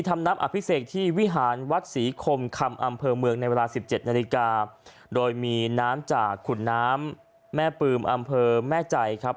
ทำน้ำอภิเษกที่วิหารวัดศรีคมคำอำเภอเมืองในเวลาสิบเจ็ดนาฬิกาโดยมีน้ำจากขุนน้ำแม่ปืมอำเภอแม่ใจครับ